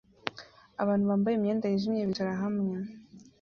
Abantu bambaye imyenda yijimye bicara hamwe